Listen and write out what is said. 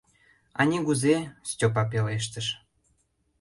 — А нигузе, — Степа пелештыш.